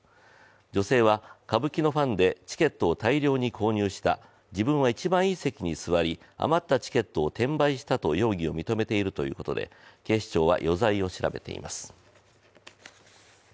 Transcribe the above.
女性は歌舞伎のファンでチケットを大量に購入した、自分は一番いい席に座り余ったチケットを転売したと容疑を認めているということで警視庁は余罪を調べています。